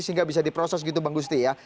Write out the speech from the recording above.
sehingga bisa diproses gitu bang gusti ya